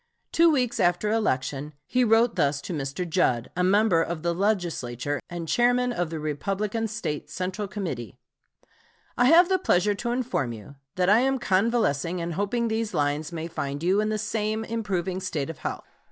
Two weeks after election he wrote thus to Mr. Judd, a member of the Legislature and Chairman of the Republican State Central Committee: "I have the pleasure to inform you that I am convalescing and hoping these lines may find you in the same improving state of health.